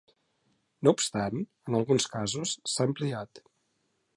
No obstant, en alguns casos, s"ha ampliat.